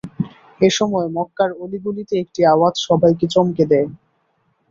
এ সময় মক্কার অলি-গলিতে একটি আওয়াজ সবাইকে চমকে দেয়।